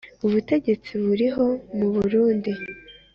ubutegetsi buriho mu Burundi.